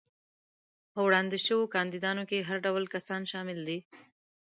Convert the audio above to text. په وړاندې شوو کاندیدانو کې هر ډول کسان شامل دي.